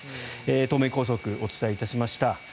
東名高速、お伝えいたしました。